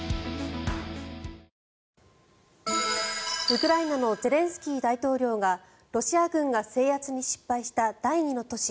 ウクライナのゼレンスキー大統領がロシア軍が制圧に失敗した第２の都市